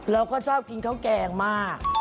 เราก็ชอบกินข้าวแกงมาก